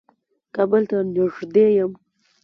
کابل ته نېږدې يم.